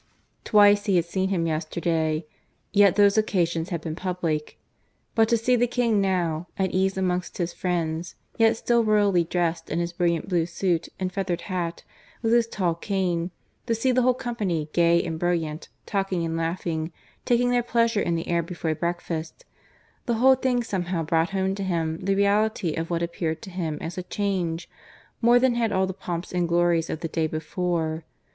Twice he had seen him yesterday yet those occasions had been public. But to see the King now, at ease amongst his friends, yet still royally dressed in his brilliant blue suit and feathered hat, with his tall cane to see the whole company, gay and brilliant, talking and laughing, taking their pleasure in the air before breakfast the whole thing somehow brought home to him the reality of what appeared to him as a change, more than had all the pomps and glories of the day before.